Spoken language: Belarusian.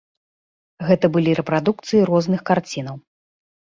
Гэта былі рэпрадукцыі розных карцінаў.